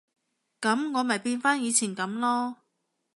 噉我咪變返以前噉囉